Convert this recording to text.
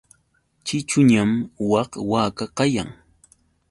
Ćhićhuñam wak waka kayan.